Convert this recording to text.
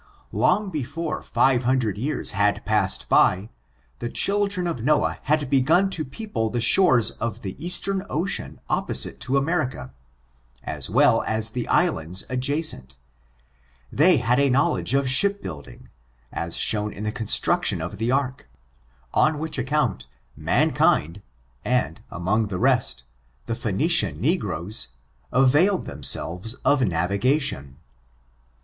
Long before five hundred years had pass ed by, the children of Noah had begun to people the shores of the eastern ocean opposite to America, as well as the islands adjacent They had a knowl edge of ship building, as shown in the construction of the ark; on which account mankind, and, among the rest, the Phccnician negroes, availed themselves of navigation.